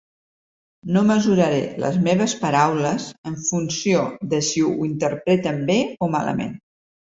No mesuraré les meves paraules en funció de si ho interpreten bé o malament.